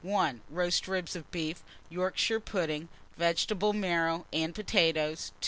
Roast ribs of beef, Yorkshire pudding, vegetable marrow, and potatoes.